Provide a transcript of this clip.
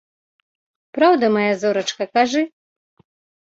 Праўда, мая зорачка, кажы?